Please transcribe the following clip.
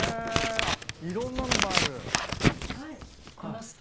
あっいろんなのがある。